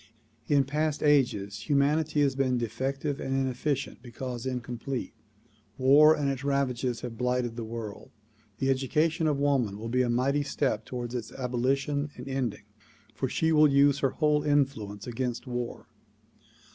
In past ages humanity has been defective and inefficient because incomplete. War and its ravages have blighted the world. The education of woman will be a mighty step toward its abolition and ending for she will use her whole influence against war.